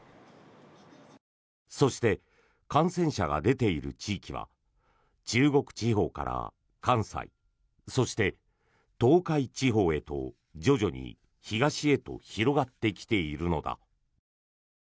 そして、感染者が出ている地域は中国地方から関西そして東海地方へと徐々に東へと広がってきているのだ。